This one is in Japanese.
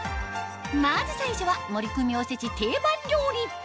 まず最初は森クミおせち定番料理